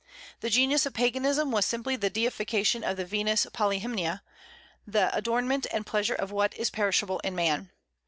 The genius of Paganism was simply the deification of the Venus Polyhymnia, the adornment and pleasure of what is perishable in man.